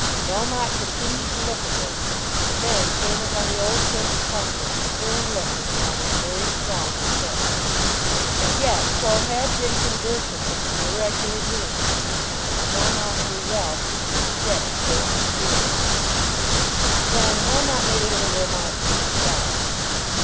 Melmotte continued to look at him; but then came upon the old clerk's countenance a stern look which amounted to very strong dissent. And yet Croll had been conversant with some irregular doings in his time, and Melmotte knew well the extent of Croll's experience. Then Melmotte made a little remark to himself.